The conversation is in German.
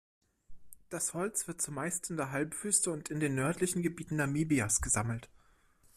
Das Holz wird zumeist in der Halbwüste und in den nördlichen Gebieten Namibias gesammelt.